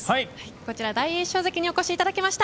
こちら、大栄翔関にお越しいただきました。